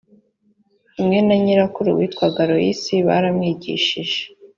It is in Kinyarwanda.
hamwe na nyirakuru witwaga loyisi baramwigishije